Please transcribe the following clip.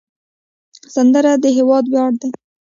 سندره د هیواد ویاړ دی